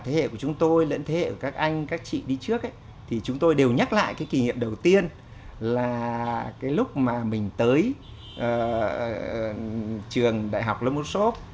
thế hệ của chúng tôi lẫn thế hệ của các anh các chị đi trước thì chúng tôi đều nhắc lại cái kỷ niệm đầu tiên là cái lúc mà mình tới trường đại học lâm út sốt